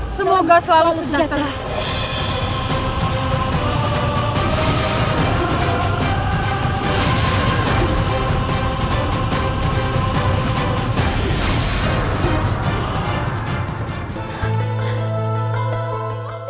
semoga selalu sejahtera